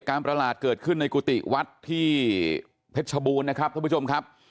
ประหลาดเกิดขึ้นในกุฏิวัดที่เพชรชบูรณ์นะครับท่านผู้ชมครับ